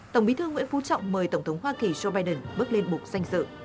tổng bí thư nguyễn phú trọng mời tổng thống hoa kỳ joe biden bước lên bục danh dự